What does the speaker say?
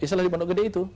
islah di pondok gede itu